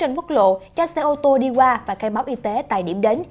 các chốt trên quốc lộ cho xe ô tô đi qua và khai báo y tế tại điểm đến